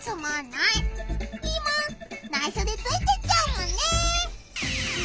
ないしょでついてっちゃうもんね！